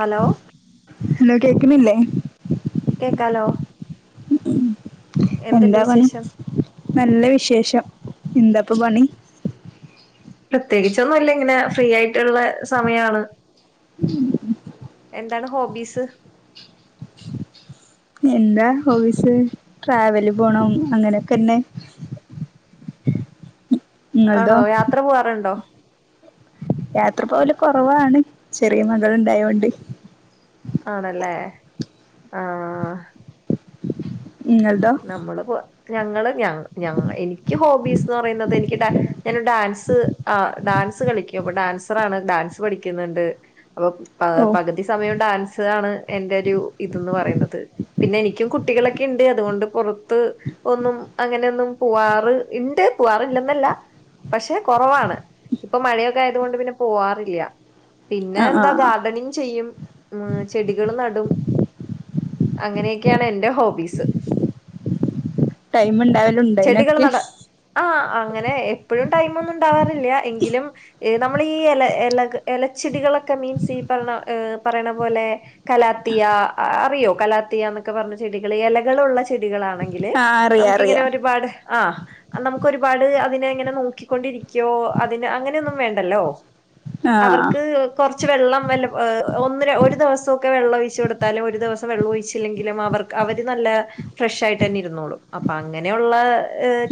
Hello hello കേക്ക്ണില്ലേ കേക്കാലോ എന്തുണ്ട് എന്താ പണി വിശേഷം നല്ല വിശേഷം എന്താപ്പ പണി പ്രത്യേകിച്ചൊന്നുല്ല ഇങ്ങനെ ഫ്രീയായ് ട്ട്ള്ളെ സമയാണ് എന്താണ് ഹോബീസ് എന്താ ഹോബീസ് ട്രാവല് പോണം അങ്ങനെയൊക്കെന്നെ ആണോ നിങ്ങളതോ യാത്ര പോവാറ്ണ്ടോ യാത്ര പോകല് കൊറവാണ് ചെറിയ മകൾണ്ടായോണ്ട് ആണല്ലേ ആഹ് നിങ്ങൾ തൊ നമ്മള് പോ ഞങ്ങള് ഞ ഞങ എനിക്ക് ഹോബീസ്ന്ന് പറിണത് എനിക്ക് ടേ ഞാൻഡാൻസ് ആഹ് ഡാൻസ് കളിക്യു അപ്പൊഡാൻസറാണ് ഡാൻസ് പഠിക്യു ന്ന്ണ്ട് അഭോ പാ ഓ പഗ്തീസ് സമയും ഡാൻസ് ആണ് എന്റരു ഇതന്ന് പറയുന്നത് പിന്നെ എനിക്യു കുട്ടികളൊക്കെണ്ട് അതുകൊണ്ടും പൊറത്ത് ഒന്നും അങ്ങനെന്നും പോവാറ് ഇണ്ട് പോവാറില്ലെന്നല്ല പക്ഷെ കൊറവാണ് ഇപ്പൊ മഴയൊക്കെ ആയതുകൊണ്ട് പിന്നെ പോവാറില്യ പിന്നെ ആ ആ എന്താ ഗാർഡനിങ് ചെയ്യും മ് ചെടികള് നടും അങ്ങനെയൊക്കെയാണ് എന്റെ ഹോബീസ് ടൈമ്ണ്ടാവലുൺ ചെടികൾ നട ആഹ് അങ്ങനെ എപ്പഴും ടൈമൊന്നുണ്ടാവാറില്യ എങ്കിലും ഏനമ്മളീ എല എലഗ് എലച്ചെടികളൊക്കെ മീൻസ്സിപണ്ണാ പറി ണപോലെ കലാത്തിയ അറിയോ കലാത്തിയ ന്നൊക്കെ പറഞ്ഞ ചെടികൾ ഇലകളുള്ള ചെ ചെടികളാണെങ്കില് ആ അറിയാ നംക്ക് ഇങ്ങനെ അറിയാ ഒര്പാട് ആഹ് അ നംക്ക് ഒരുപാട് അതിനെ ഇങ്ങനെ നോക്കിക്കൊണ്ടിരിക്ക്യോഅതിന് അങ്ങനെയൊന്നും വേണ്ടല്ലോ ആ അവർക്ക് കൊർച്ച് വെള്ളം നല്ല ഒന്നപ്പാരാ ഒരു ദിവസവ ക്കെ വെള്ളം ഒഴിച്ചു കൊടുത്താലും ഒരു ദിവസം വെള്ളം ഒഴിച്ചില്ലെങ്കിലും അവർക്ക് അവര് നല്ല ഫ്രഷ് ആയിട്ടന്നെ ഇരുന്നോളും അപ്പ അങ്ങനെ ഒള്ള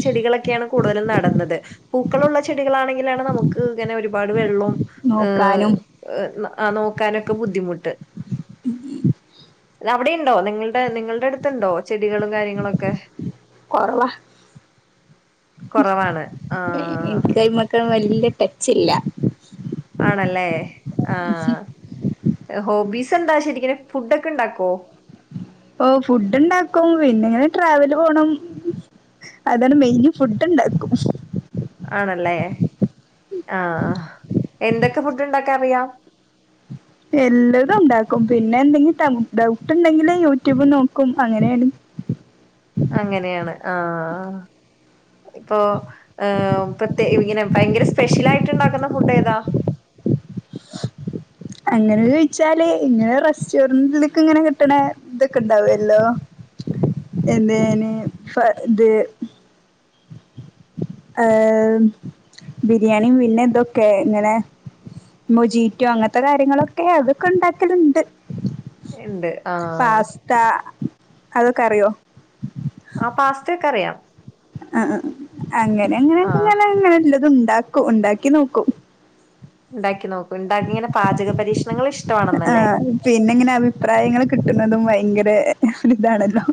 ചെടികളെക്കേണ് കൂടുതലും നടന്നത് പൂക്കളുള്ള ചെടികളാണെങ്കിലാണ് നമുക്ക് ങ്ങനെ ഒരുപാട് വെള്ളും നോക്കാനും ആഹ് നോക്കാനൊക്കെ ബുദ്ധിമുട്ട് ദാ അവടിണ്ടോ നിങ്ങൾടെ നിങ്ങൾടെ അട്ത്ത്ണ്ടോ ചെടികളും കാര്യങ്ങളൊക്കെ കുറവാ കുറവാണ് ആഹ് എനിക്ക് കൈമക്കളും വല്ല്യ ടച്ച് ഇല്ല ആണല്ലേ ആഹ് ഹോബീസ എന്താ ശരിക്നും ഫുഡക്കെണ്ടാക്കോ? ഓ ഫുഡ് ഇണ്ടാക്കും പിന്നെ ഇങ്ങനെ ട്രാവല് പോണം. അതാണ് മെയിന് ഫുഡ് ഉണ്ടാക്കും. ആണല്ലേ ആഹ് എന്തക്കെ ഫുഡ്ണ്ടാക്കാറിയാ? എല്ലതും ഉണ്ടാക്കും പിന്നെ എന്തെങ്കിലും ടം ഡൗട്ട്ണ്ടെങ്കിലിൽ യൂട്യൂബ് നോക്കും അങ്ങനെയാണ്. അങ്ങനെയാണ് ആഹ് ഇപ്പൊ ഏഹ് പ്രെത്യേ ഇങ്ങനെ ഭയങ്കര സ്പെഷ്യൽ ആയിട്ട്ണ്ടാക്ന്ന ഫുഡ് ഏതാ? അങ്ങനെ ചോയ്ച്ചാല് ഇങ്ങനെ റെസ്റ്റോറന്റിലേക്ക ഇങ്ങനെ കിട്ട്ണ ഇതൊക്കെണ്ടാവല്ലോ? എന്തേനി ഫർ ഇദ് ഏഹ് ബിരിയാണി പിന്നെ ഇതൊക്കെ ഇങ്ങനെ മൊജീറ്റോ അങ്ങനത്തെ കാര്യങ്ങളൊക്കെ അതൊക്കെണ്ടാക്കല്ണ്ട്. ഇണ്ട് ആഹ് ത അതൊക്കെ അറിയോ? ആഹ് പാസ്തയക്കെ അറിയാം. ആഹ് അഹ് അങ്ങനെ അങ്ങനെയൊക്കെ ആഹ് അങ്ങനെല്ലത് ഉണ്ടാക്കും ഉണ്ടാക്കി നോക്കും ഇണ്ടാക്കി നോക്കും ഉണ്ടാക്കിങ്ങനെ പാചക പരീക്ഷണങ്ങൾ ഇഷ്ടമാണെന്നല്ലേ ആഹ് പിന്നെ ഇങ്ങനെ അഭിപ്രായങ്ങൾ കിട്ട്ന്നതും ഭയങ്കര ഒരുതാണല്ലോ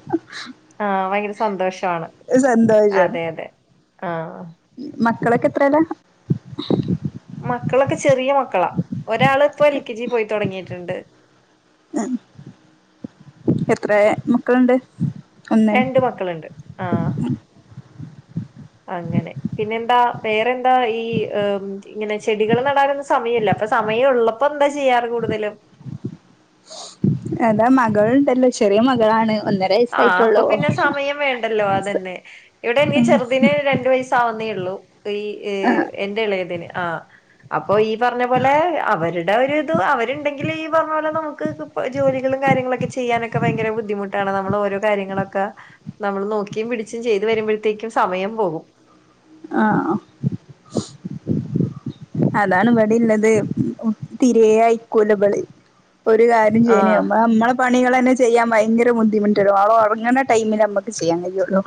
ആഹ് ഭയങ്കര സന്തോഷവാണ് സന്തോഷാണ് അതെ അതെ ആഹ് മക്കളൊക്കെ എത്രല? മക്കളൊക്കെ ചെറിയ മക്കളാ ഒരാള് ഇപ്പോ എൽ കെ ജി പോയി തൊടങ്ങിയിട്ടുണ്ട്. എഹ് എത്രേ മക്കള്ണ്ട്? രണ്ട് മക്കള്ണ്ട് ആഹ് അങ്ങനെ പിന്നെന്താ? വേറെന്താ ഈ ഇങ്ങനെ ചെടികൾ നടാറുന്നും സമയല്ല അപ്പൊ സമയം ഉള്ളപ്പോ എന്താ ചെയ്യാറ് കൂടുതലും എതാ മകൾണ്ടല്ലോ ചെറിയ മകളാണ് ഒന്നര വയസ്സായിട്ടുള്ളൂ ഉണ്ടല്ലോ അതന്നെ ഇവിടെ ഇനി ചെറുതിന് രണ്ടുവയസാവുന്നേ ഉള്ളൂ. ഈ എന്റെ ഇളെത്ന് ആഹ് അപ്പൊ ഈ പറഞ്ഞ പോലെ അവരുടെ ട് അവരു ഇതു അവര്ണ്ടെങ്കിൽ ഈ പറഞ്ഞ പോലെ നമുക്ക് ഇ ജോലികളും കാര്യാങ്ങളൊക്കെ ചെയ്യാനൊക്കെ ഭയങ്കര ബുദ്ധിമുട്ടാണ്. നമ്മൾ ഓരോ കാര്യങ്ങളൊക്കെ നമ്മൾ നോക്കിയും പിടിച്ചും ചെയ്ത് വരുമ്പോഴത്തേക്കും സമയം പോകും. ആഹ് അഹ് അതാണ് ഇവടീള്ളത് തിരേ അയക്കൂല ഇബള് ഒരു കാര്യം ആഹ് ചെയ്യനിയുമ്പോ നമ്മളെ പണികൾ തന്നെ ചെയ്യാൻ ഭയങ്കര ബുദ്ധിമുട്ടുള്ളും ആളോ ഒറങ്ങണ ടൈമിൽ അമ്മക്ക് ചെയ്യാൻ കഴിയുള്ളു.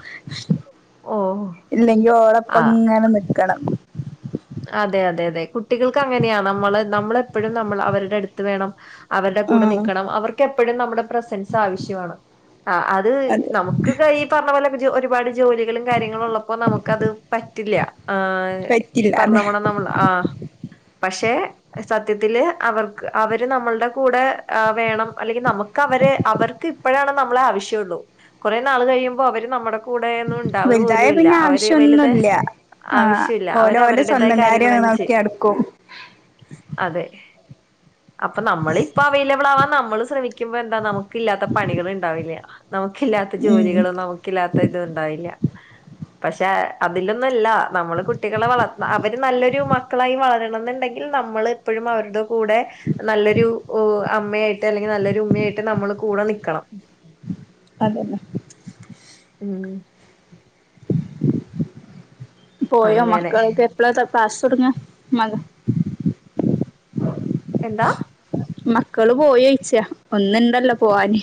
ഓഹ് ഇല്ലങ്കി ആഹ് ഓളപ്പങ്ങനെ നിക്കണം. അതെ അതെ അതെ കുട്ടികൾക്ക് അങ്ങനെയാ നമ്മള് നമ്മളെപ്പോഴും നമ്മൾ അവരുടെ അടുത്ത് വേണം അവരുടെ കൂടെ ആഹ് നിൽക്കണം അവർക്ക് എപ്പോഴും നമ്മുടെ പ്രസൻസ് ആവശ്യമാണ്. അത് അതെ നമുക്ക് കടി ഇ പറഞ്ഞ പോലെ ഒരുപാട് ജോലികളും കാര്യങ്ങളും ഉള്ളപ്പോ നമുക്കത് പറ്റില്ല. ഈ പറ്റില്ല പറഞ്ഞ അതെ. പോണ നമ്മൾ ആഹ് പക്ഷെ സത്യത്തില് അവർക്ക് അവര് നമ്മൾടെ കൂടെ വേണം അല്ലെങ്കിൽ നമു ക്കഅവര് അവർക്ക് ഇപ്പഴാണ് നമ്മളെ ആവശ്യള്ളൂ കുറേ നാള് കഴിയുമ്പോ അവര് നമ്മുടെ കൂടെന്നും ഉണ്ടാവു വലുതായ പോലുംല്ല പിന്നെ അവര് വലുത ആവശ്യൊന്നുല്ല ആഹ് ആവശ്യില്ല അവര് ഓലെ ഓലെ അവരുടേതായ സ്വന്തം കാര്യങ്ങ കാര്യം തന്നെ നോക്കി ചെയ്യും നടക്കും അതെ അപ്പൊ നമ്മള് ഇപ്പൊ അവൈലബിൾ ആവാൻ നമ്മള് ശ്രമിക്കുമ്പോൾ എന്താ നമുക്ക് കി ഇല്ലാത്ത പണികൾണ്ടാവില്ല നമുക്കില്ലാത്ത ഉം ജോലികളും നമുക്ക് കില്ലത്തത്ണ്ടായില്ല പക്ഷെ അതിലൊന്നുംല്ല നമ്മള് കുട്ടികളെ വള അവര് നല്ലൊരു മക്കളായി വളരണംന്നുണ്ടെങ്കിൽ നമ്മൾ എപ്പോഴും അവരുടെ കൂടെ നല്ലൊരു അമ്മയായിട്ട് അല്ലെങ്കിൽ നല്ലൊരു ഉമ്മയായിട്ട് നമ്മൾ കൂടെ നിൽക്കണം അത് തന്നെ ഉം പോയോ അങ്ങനെ മക്കളൊക്കെ എപ്പഴാ ക്ലാസ്സ്‌ തുടങ്ങുക മക എന്താ മക്കള് പോയോ ചോയിച്ചതാ ഒന്നൊണ്ടല്ലോ പോവാന്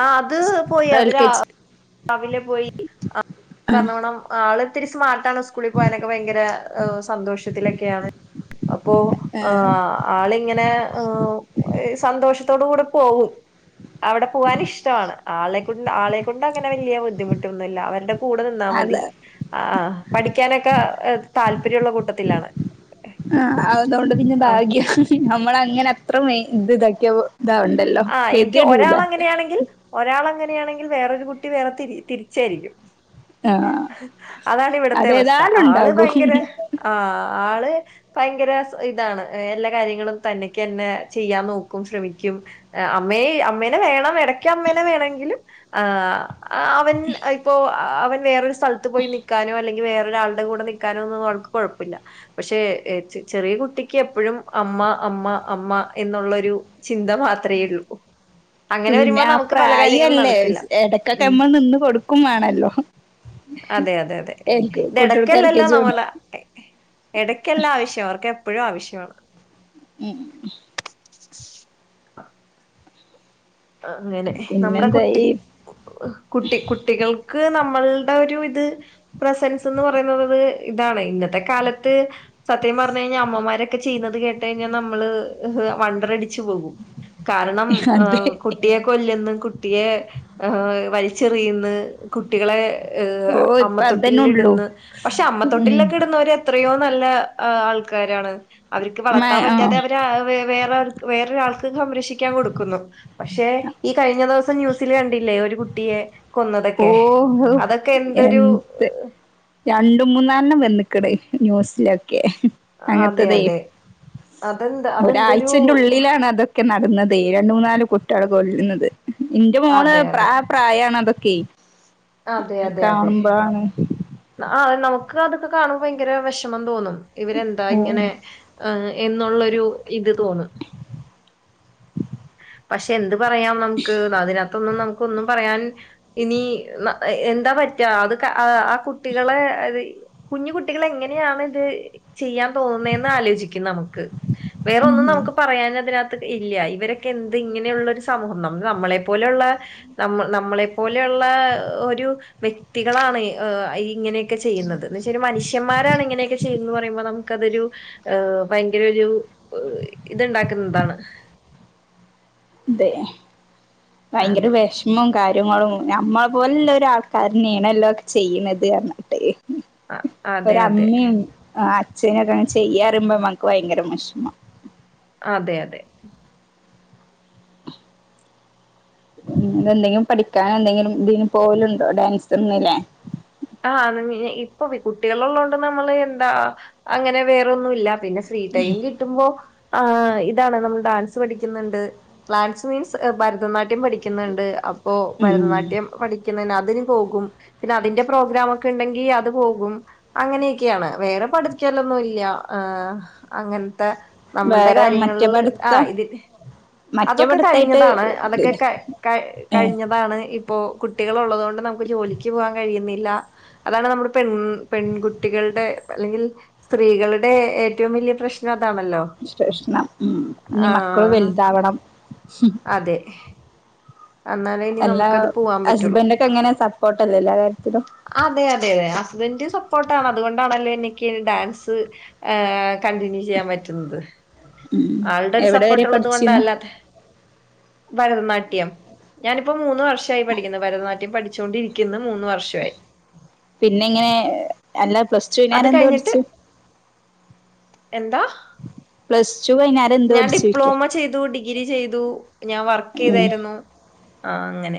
ആഹ് അത് പോയി അത് എൽ കെ ജി രാവിലെ പോയി [unintelligible] ആഹ് ആളിത്തിരി സ്മാർട്ടാണ് സ്കൂളിൽ പോകാനൊക്കെ ഭയങ്കര സന്തോഷത്തിലൊക്കെയാണ് അപ്പോ ആഹ് ആളിങ്ങനെ സന്തോഷത്തോട് കൂടെ പോകും അവിടെ പോകാൻ ഇഷ്ടമാണ് ആളിനെ കൊണ്ട് ആളെ കൊണ്ട് അങ്ങനെ വലിയ ബുദ്ധിമുട്ടൊന്നുവില്ല അവരുടെ കൂടെ നിന്നാ അത മതി ആ പഠിക്കാനൊക്കെ താല്പര്യമുള്ള കൂട്ടത്തിലാണ് ആഹ് അതൊണ്ട് പിന്നെ ആഹ് ഭാഗ്യം നമ്മള് അങ്ങനെ അത്ര ഇത് ഇതാക്കിയപ്പോ ഇതാ ഉണ്ടല്ലോ [unintelligible] ആണെങ്കിൽ ഒരാള് അങ്ങനെയാണെങ്കിൽ വേറൊരു കുട്ടി വേറെ തിരി തിരിച്ചായിരിക്കും ആഹ് അതാണ് ഇവിടത്തെ അവസ്ഥ അതേതാലും ആള് ഉണ്ടാകും ഭയങ്കര ആ ആള് ഭയങ്കര ഇതാണ് എല്ലാ കാര്യങ്ങളും തന്നേക്ക് തന്നെ ചെയ്യാൻ നോക്കും ശ്രമി ക്കും അമ്മേയെ അമ്മേനെ വേണം ഇടക്ക് അമ്മേനെ വേണങ്കിലും ആ ആ അവൻ ഇപ്പോ അവൻ വേറൊരു സ്ഥലത്ത് പോയി നിൽക്കാനോ അല്ലങ്കിൽ വേറൊരാളുടെ കൂടെ നിൽക്കാനൊന്നും അവൾക്ക് കുഴപ്പവില്ല പക്ഷേ ചെറിയ കുട്ടിക്ക് എപ്പോഴും അമ്മ അമ്മ അമ്മ എന്നുള്ളൊരു ചിന്ത മാത്രേ ഉള്ളൂ ഉം അങ്ങനെ പിന്നെ വരുമ്പോ ആ നമുക്ക് പല പ്രായം കാര്യങ്ങളും അല്ലേ നടക്കില്ല. ഇടക്കൊക്കെ ഉം. നമ്മള് നിന്ന് കൊടുക്കുവേയും വേണല്ലോ അതെ അതെ അതെ എൽ ഇത് കുട്ടികൾക്ക് എൽ കെ ഇടക്കല്ലല്ലോ ജി കൊണ്ട് നമ്മള് ഇടയ്ക്കല്ല ആവശ്യം അവർക്കെപ്പഴും ആവശ്യമാണ് ഉം ആഹ അങ്ങനെ നമ്മുടെ പിന്നെന്താ കുട്ടി ഈ കുട്ടി കുട്ടികൾക്ക് നമ്മളുടെ ഒരു ഇത് പ്രസൻസെന്ന് പറയുന്നത് ഇതാണ് ഇന്നത്തെ കാലത്ത് സത്യം പറഞ്ഞ് കഴിഞ്ഞാൽ അമ്മമാരൊക്കെ ചെയ്യുന്നത് കേട്ട കഴിഞ്ഞാൽ നമ്മള് വണ്ടറടിച്ച് പോകും കാരണം അതെ കുട്ടികൾക്ക് ഒ [unintelligible] കുട്ടിയെ വലിച്ചെറിയുന്ന് കുട്ടികളെ ഓ ഇപ്പ അതന്നെ അമ്മത്തൊട്ടിലിൽ ഉള്ളൂ ഇടുന്ന് പക്ഷെ ഉം അമ്മത്തൊട്ടിലൊക്കെ ഇടുന്നവരെ എത്രയോ നല്ല ആൾക്കാരാണ് അവർക്ക് മ വളർത്താൻ ആ പറ്റാതെ അവ വേറെ വേറൊരാൾക്ക് സംരക്ഷിക്കാൻ കൊടുക്കുന്നു പക്ഷേ ഈ കഴിഞ്ഞ ദിവസം ന്യൂസില് കണ്ടില്ലേ ഒരു കുട്ടിയെ ഓ കൊന്നതൊക്കെ ഓ അതൊക്കെ എന്തൊരു എന്ത് രണ്ട് മൂന്നാലെണ്ണം വന്നിക്കടെ ന്യൂസിലൊക്കെ അതെ അങ്ങനത്തതേ അതെ അതെന്താ അതെന്തൊരു ഒരാഴ്ചന്റെ ഉള്ളിലാണ് അതൊ ക്കെ നടന്നതേ രണ്ട് മൂന്നാല് കുട്ടികളെ കൊല്ലുന്നത് എന്റെ മോള് ആ അതെ പ്ര അതെ പ്രായമാണ് അതൊക്കെയെ അതൊക്ക കാണുമ്പോളാണ് ആഹ് നമുക്ക് അതൊക്കെ കാണുമ്പോ ഭയങ്കര വിഷമം തോന്നും ഇവരെന്താ ഓ ഇങ്ങനെ ആഹ് എന്നുള്ളൊരു ഇത് തോന്നും പക്ഷെ എന്ത് പറയാം നമുക്ക് അതിനകത്തൊന്നും നമു ക്കൊന്നും പറയാൻ ഇനി എന്താ പറ്റുക അത് കുട്ടികളെ ഇത് കുഞ്ഞ് കുട്ടികളെ എങ്ങനെയാണ് ഇത് ചെയ്യാൻ തോന്നുന്നേന്ന് ആലോചിക്കും നമുക്ക് വേറൊന്നും ഉം നമുക്ക് പറയാൻ അതിനകത്ത് ഇല്ല ഇവരൊ ക്കെ എന്ത് ഇങ്ങനെയുള്ള ഒരു സമൂഹം നമ്മ നമ്മളെ പോലെയുള്ള നമ്മൾ നമ്മളെ പോലെയുള്ള ഒരു വ്യക്തികളാണ് ഏഹ് ഇങ്ങനെ ക്കെ ചെയ്യുന്നത് എന്ന് വെച്ച ഒരു മനുഷ്യന്മാാണ് ഇങ്ങനൊക്കെ ചെയ്യുന്നത് പറുമ്പോ നമുക്കതൊരു ഏഹ് ഭയങ്കര ഒരു ഇത്ണ്ടാക്കുന്നതാണ്. അതെ ഭയങ്കര അതെ. വിഷമം കാര്യ കാര്യങ്ങളും നമ്മളെ പോലെുള്ളരാൾക്കാരനെയണല്ലോ ഒക്കെ ചെയ്യുന്നത് പറഞ്ഞിട്ട്. അ- ഒരു അതെ അതെ. അമ്മീം അച്ഛനക്കെ അങ്ങനെ ചെയ്യാറുമ്പോ നമക്ക് ഭയങ്കര വെഷമം. അതെ അതെ. [inaudible] എന്തെങ്കിലും പഠിക്കാനോ എന്തെങ്കിലും ഇതിന് പോലുണ്ടോ ഡൻസ് ഒന്നല്ലേ. ആഹ് ഇപ്പൊ കുട്ടികള് ഉള്ളതോണ്ട് നമ്മള് എന്താ അങ്ങനെ വേറൊന്നും ഇല്ല. പിന്നെ ഫ്രീ ടൈം കിട്ടി. ട്ടുമ്പോ ഇതാണ് നമ്മൾ ഡാൻസ് പഠിക്കുന്നുണ്ട് ഡാൻസ് മീൻസ് ഭരതനാട്യം. പഠിക്കുന്നുണ്ട് അപ്പോ ഉം ഭരതനാട്യം പഠിക്കുന്ന അതിന് പോകും പിന്നെ അതിന്റെ. പ്രോഗ്രാമക്കെ ഉണ്ടെങ്കി അത് പോകും. അങ്ങനെയൊക്കെയാണ് വേറെ പഠിക്കാലൊന്നും ഇല്ല അങ്ങനത്തെ. നമ്മളുടെ വേറെ മറ്റേ കാര്യങ്ങളില് പഠിത്തം ആഹ് ഇതി മറ്റേ അതൊക്കെ പഠിത്തായിട്ട് കഴിഞ്ഞതാണ് അതൊക്കെ. ഇതില്ല ക ഏ കഴിഞ്ഞതാണ് ഇപ്പോ കുട്ടികൾള്ളതുകൊണ്ട് നമുക്ക് ജോലിക്ക് പോകാൻ കഴിയുന്ന. ഇല്ല അതാണ് നമ്മുടെ പെൺ പെൺകുട്ടികളുടെ അല്ലെങ്കിൽ. സ്ത്രീകളുടെ ഏറ്റവും വലിയ പ്രശ്നം അതാണല്ലോ? പ്രഷ്ണം ഉം ഇനി മക്കള് ആഹ് വലുതാവണം. അതെ എന്നാലേ ഇനി എല്ലാ നമുക്ക്ത് പോവാൻ പറ്റുള്ളു. ഹസ്ബൻഡൊക്കെ എങ്ങനെ സപ്പോർട്ടല്ലേ എല്ലാ കാര്യത്തിലും അതെ അതെ അതെ ഹസ്ബന്ഡ് സപ്പോർട്ടാണ് അതുകൊണ്ടാണല്ലോ എനിക്ക് ഡാൻസ്. കണ്ടിന്യൂ ചെയ്യാൻ പറ്റുന്നത് ഉം ആളുടെ ഒരു എവിടെ സപ്പോർട്ട് വരെ ഉള്ളത് പഠിച്ചിരുന്നു കൊണ്ടല്ലാതെ. ഭരതനാട്യം. ഞാനിപ്പോ മൂന്ന് വർഷമായി പഠിക്കുന്ന് ഭരതനാട്ട്യം പഠിച്ചൊണ്ടിരിക്കുന്നു മൂന്ന് വർഷം. പിന്നെ ഇങ്ങനെ അല്ല പ്ലസ് ടുനാന അത് എന്തോ കഴിഞ്ഞിട്ട് പഠിച്ചു. എന്താ? പ്ലസ് ടു കഴിഞ്ഞാല്. ഞാൻ ഡിപ്ലോമ ചെയ്തു ഡിഗ്രി ചെയ്തു ഞാൻ വർക്ക് ഉം ചെയ്തായിരുന്നു. ആഹ് അങ്ങനെ.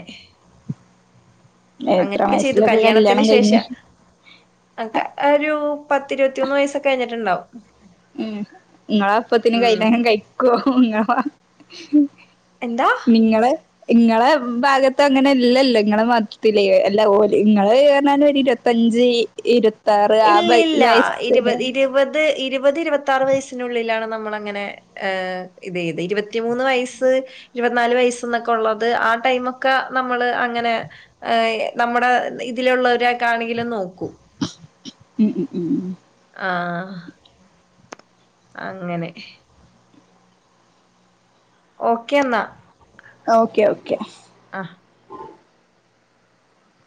എത്ര അങ്ങനെയൊക്കെ ചെയ്തു വയസ്സിലൊക്കെ കല്യാണത്തിന് കല്യാണം ശേഷ. കഴിഞ്ഞ് അക്കെ ഒരു പത്തിരുപത്തിയൊന്ന് വയസ്സൊക്കെ കഴിഞ്ഞിട്ടുണ്ടാവും. ഉം നിങ്ങള അപ്പത്തിനു ഉം കല്യാണം കഴിക്കുവോ നിങ്ങ എന്താ നിങ്ങള് ഇങ്ങളെ ഭാഗത്ത് അങ്ങനെ അല്ലല്ലോ ഇങ്ങളെ മതത്തില് അല്ല ഓ ഇങ്ങള് നറഞ്ഞാല് ഇരു.. ത്തഞ്ച് ഇരുപത്താറ് ആഹ് ഇല്ലില്ല വയസ്സി. ഇരുപത് ഇരുപത് ഇരുപത് ഇരുപത്താറ് വയസിനുള്ളിലാണ് നമ്മള അങ്ങനെ. ഏഹ് ഇതെ ഇത് ഇരുപത്തിമൂന്ന് വയസ്സ്. ഇരുപത്തിനാല് വയസന്നൊക്കെ ഉള്ളത് ആഹ് ടൈമക്കെ നമ്മള് അങ്ങനെ. നമ്മുടെ ഇതിലുള്ളവരാക്കാ ആണെങ്കിലും നോക്കൂ. ഉം ഉം ഉം ഉം ആഹ് അങ്ങനെ ഓക്കെ എന്നാ ഓക്കെ ഓക്കെ ആഹ്.